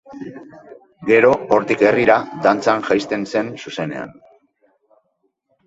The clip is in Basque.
Gero hortik herrira dantzan jaisten zen zuzenean.